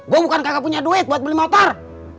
gue bukan kakak punya duit buat beli motor